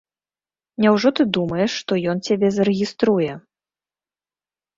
Няўжо ты думаеш, што ён цябе зарэгіструе?